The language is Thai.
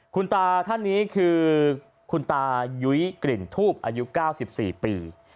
คุณตาท่านนี้คือคุณตายุ้ยกลิ่นทูบอายุ๙๔ปี